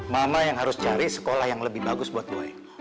mama yang harus cari sekolah yang lebih bagus buat gue